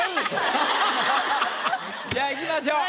じゃあいきましょう。